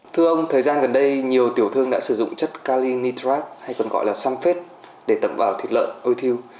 thưa ông thời gian gần đây nhiều tiểu thương đã sử dụng chất calinitrat hay còn gọi là samphet để tẩm vào thịt lợn ôi thiêu